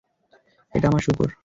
এটা আমার শূকর।